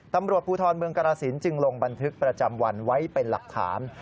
ตำรวจภูทรเมืองกรสินจึงลงบันทึกประจำวันไว้เป็นหลักฐาน